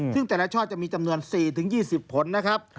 ซึ่งแต่ละช่อจะมีจำนวน๔๒๐ผลนะครับ